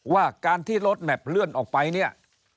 ว่าการที่รถแมพเลื่อนออกไปเนี่ย